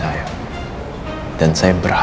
boleh di sini tanpa keras